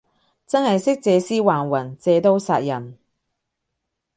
真係識借屍還魂，借刀殺人